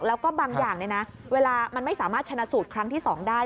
แล้วก็บางอย่างเวลามันไม่สามารถชนะสูตรครั้งที่๒ได้